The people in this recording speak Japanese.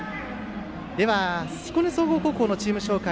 彦根総合高校のチーム紹介